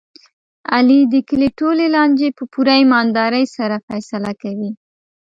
علي د کلي ټولې لانجې په پوره ایماندارۍ سره فیصله کوي.